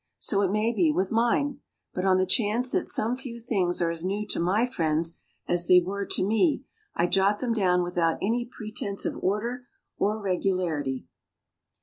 So it may be with mine; but, on the chance that some few things are as new to my friends as they were to me, I jot them down without any pretense of order or regularity.